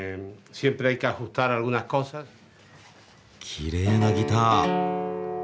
きれいなギター。